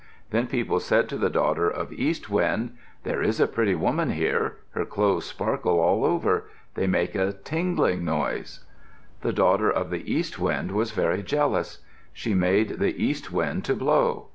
Then people said to the daughter of East Wind, "There is a pretty woman here. Her clothes sparkle all over. They make a tingling noise." The daughter of East Wind was very jealous. She made the east wind to blow.